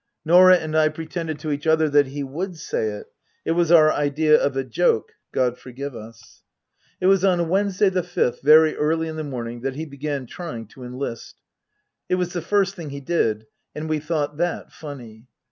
Norah and I pretended to each other that he would say it it was our idea of a joke, God forgive us. It was on Wednesday, the fifth, very early in the morning, that he began trying to enlist. It was the first thing he did ; and we thought that funny.